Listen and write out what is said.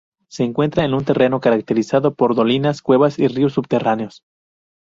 Se encuentra en un terreno caracterizado por dolinas, cuevas y ríos subterráneos.